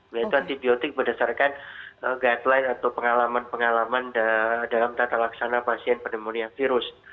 yaitu antibiotik berdasarkan guideline atau pengalaman pengalaman dalam tata laksana pasien pneumonia virus